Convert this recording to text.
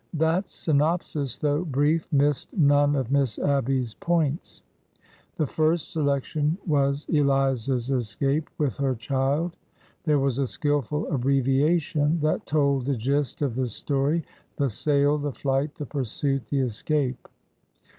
That synopsis, though brief, missed none of Miss Abby's points. The first selection was Eliza's escape with her child. There was a skilful abbreviation that told the gist of the story — the sale, the flight, the pursuit, the escape.